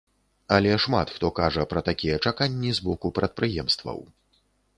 Але шмат хто кажа пра такія чаканні з боку прадпрыемстваў.